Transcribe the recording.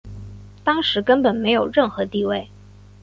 当时根本没有任何地位。